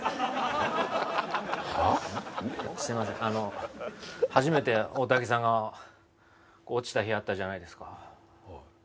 あの初めて大竹さんが落ちた日あったじゃないですか